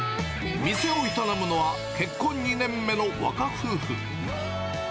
店を営むのは、結婚２年目の若夫婦。